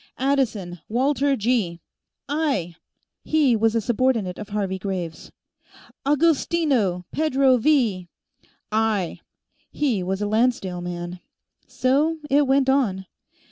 "Addison, Walter G." "Aye!" He was a subordinate of Harvey Graves. "Agostino, Pedro V." "Aye!" He was a Lancedale man. So it went on.